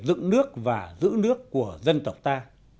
dựng nước và giữ nước của dân tộc ta